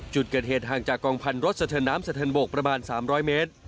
จุดเกิดเหตุห่างจากกองพันรถสะเทินน้ำสะเทินโบกประมาณ๓๐๐เมตร